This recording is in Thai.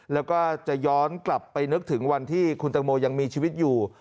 แล้วก็จะย้อนกลับไปนึกถึงวันที่คุณตังโมยังมีชีวิตอยู่